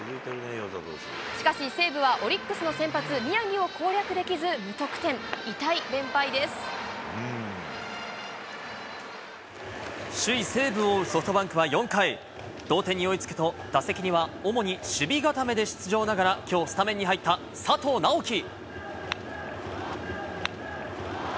しかし、西武はオリックスの先発、宮城を攻略できず、首位西武を追うソフトバンクは４回、同点に追いつくと、打席には主に守備固めに出場ながら、きょうスタメンに入った佐藤直樹。